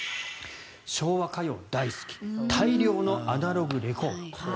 昭和歌謡大好き大量のアナログレコード。